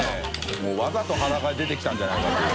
發わざと裸で出てきたんじゃないかという。